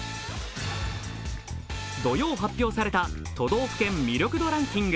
土曜発表された都道府県魅力度ランキング。